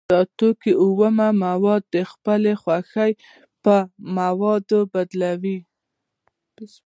دا توکی اومه مواد د خپلې خوښې په موادو بدلوي